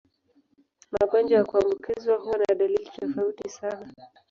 Magonjwa ya kuambukizwa huwa na dalili tofauti sana.